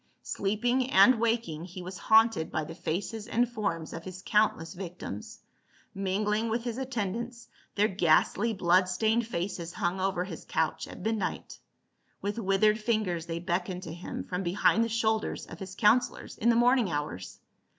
Sleeping and waking, he was haunted by the faces and forms of his countless victims ; mingling with his attendants, their ghastly blood .staincd faces hung over his couch at midnight ; with withered fingers they beckoned to him from behind the shoulders of his counselors in tlie morning hours.